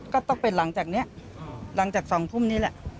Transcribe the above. ก็ต้องเป็นหลังจากนี้หลังจาก๒ทุ่มนี้แหละ